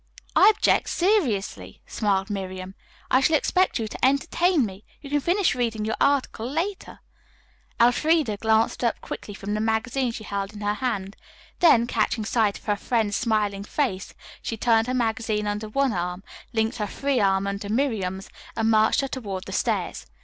"I object seriously," smiled Miriam. "I shall expect you to entertain me. You can finish reading your article later." Elfreda glanced up quickly from the magazine she held in her hand. Then, catching sight of her friend's smiling face, she tucked her magazine under one arm, linked her free arm through Miriam's and marched her toward the stairs.